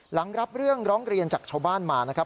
หลังรับเรื่องร้องเรียนจากชาวบ้านมานะครับ